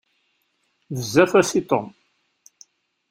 Bezzaf-as i Tom.